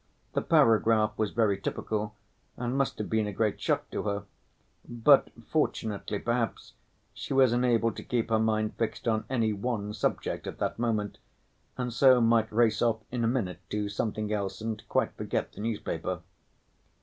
The paragraph was very typical, and must have been a great shock to her, but, fortunately perhaps, she was unable to keep her mind fixed on any one subject at that moment, and so might race off in a minute to something else and quite forget the newspaper.